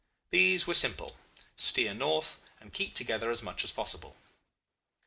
These were simple: steer north, and keep together as much as possible.